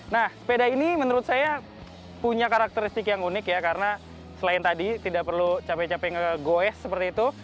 nah sepeda ini menurut saya punya karakteristik yang unik ya karena selain tadi tidak perlu capek capek ngegoes seperti itu